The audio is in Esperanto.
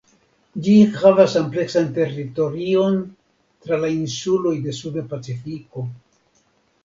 Ĝi havas ampleksan teritorion tra la insuloj de Suda Pacifiko.